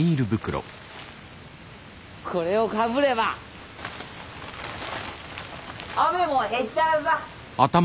これをかぶれば雨もへっちゃらさ！